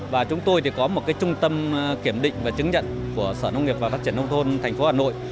và chúng tôi có một trung tâm kiểm định và chứng nhận của sở nông nghiệp và phát triển nông thôn tp hà nội